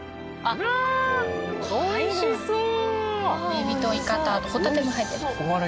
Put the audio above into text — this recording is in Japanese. エビとイカとあとホタテも入ってます。